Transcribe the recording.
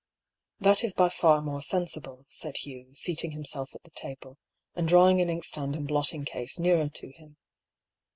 " That is by far more sensible," said Hugh, seating himself at the table, and drawing an inkstand and blot ting case nearer to him.